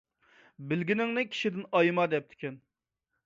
بىلگىنىڭنى كىشىدىن ئايىما دەپتىكەن.